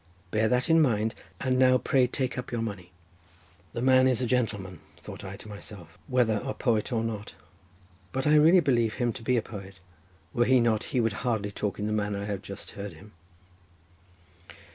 Bear that in mind; and now pray take up your money." "The man is a gentleman," thought I to myself, "whether poet or not; but I really believe him to be a poet; were he not he could hardly talk in the manner I have just heard him."